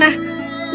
aku akan pergi ke sana